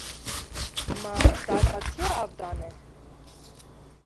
Ma, Dar hatiye avdane ?